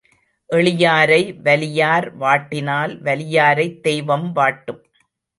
எளியாரை வலியார் வாட்டினால் வலியாரைத் தெய்வம் வாட்டும்.